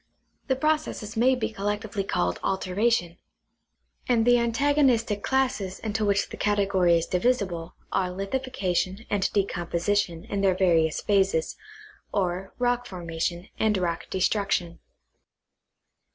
The pro cesses may be collectively called altei ation; and the antagonistic classes into which the category is divisible are lithifactioti and decomposition in their various phases, or roek formation and rock destruction.